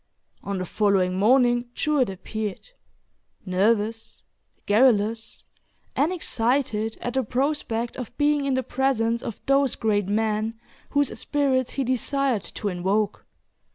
On the following morning, Jewett appeared nervous, garrulous, and excited at the prospect of being in the presence of those great men, whose spirits he desired to invoke.